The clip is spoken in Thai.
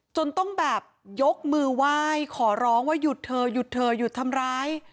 จนต้องแบบยกมือไหว้ขอร้องว่าหยุดเธอหยุดเธอหยุดทำร้าย